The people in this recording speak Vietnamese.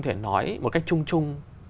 thể nói một cách chung chung